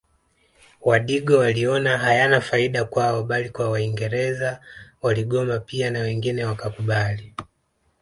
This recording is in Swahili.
Wadigo waliona hayana faida kwao bali kwa waingereza waligoma pia na wengine wakakubali